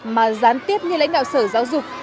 mà gián tiếp như lãnh đạo sở giáo dục